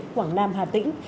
quảng nam hà tĩnh